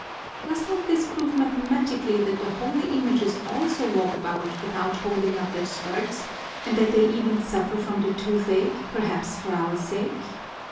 Does not this prove mathematically that the holy images also walk about without holding up their skirts and that they even suffer from the toothache, perhaps for our sake?